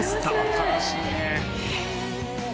新しいね。